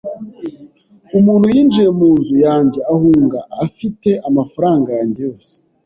Umuntu yinjiye mu nzu yanjye ahunga afite amafaranga yanjye yose.